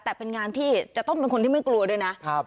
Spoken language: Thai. แต่เป็นงานที่จะต้องเป็นคนที่ไม่กลัวด้วยนะ